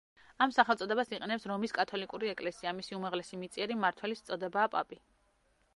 ამ სახელწოდებას იყენებს რომის კათოლიკური ეკლესია, მისი უმაღლესი მიწიერი მმართველის წოდებაა პაპი.